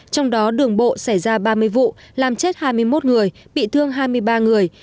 trong đó đường bộ xảy ra ba mươi vụ làm chết hai mươi một người bị thương hai mươi ba người